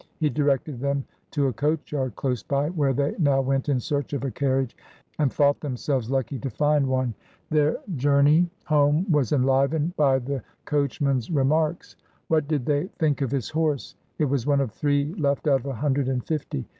He directed them to a coach yard close by, vhere they now went in search of a carriage, and bought themselves lucky to find one. Their journey lome was enlivened by the coachman's remarks. ig2 MRS. DYMOND. What did they think of his horse? It was one of three left out of a hundred and fifty.